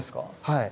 はい。